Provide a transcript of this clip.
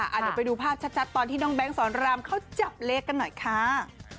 เดี๋ยวไปดูภาพชัดตอนที่น้องแก๊งสอนรามเขาจับเลขกันหน่อยค่ะ